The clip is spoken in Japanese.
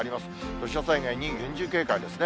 土砂災害に厳重警戒ですね。